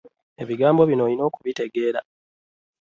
Ebigambo bino olina okubitegeera.